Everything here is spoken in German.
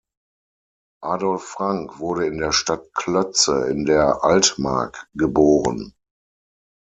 Adolph Frank wurde in der Stadt Klötze in der Altmark geboren.